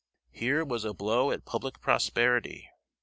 Here was a blow at public prosperity!